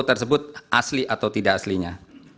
tersebut asli atau tidak aslinya